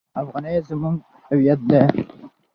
افغانۍ زموږ هویت دی.